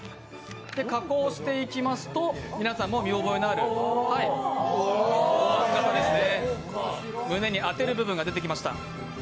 加工していきますと皆さんも見覚えのあるおわん型ですね、胸に当てる部分が出てきました。